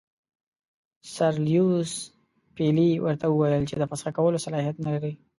سر لیویس پیلي ورته وویل چې د فسخ کولو صلاحیت نه لري.